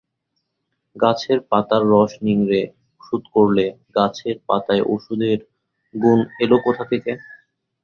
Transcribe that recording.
গাছের পাতার রস নিংড়ে ওষুধ করলে, গাছের পাতায় ওষুধের গুণ এল কোথা থেকে?